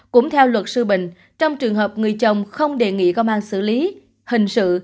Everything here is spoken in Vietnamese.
cũng theo luật sư bình trong trường hợp người chồng không đề nghị công an xử lý hình sự